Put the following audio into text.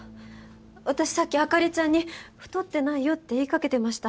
私さっき朱里ちゃんに太ってないよって言いかけてました。